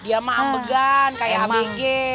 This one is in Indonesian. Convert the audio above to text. dia mah ambegan kayak abg